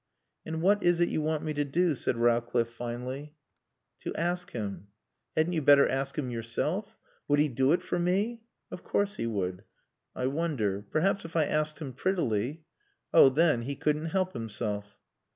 "And what is it you want me to do?" said Rowcliffe finally. "To ask him." "Hadn't you better ask him yourself?" "Would he do it for me?" "Of course he would." "I wonder. Perhaps if I asked him prettily " "Oh, then he couldn't help himself."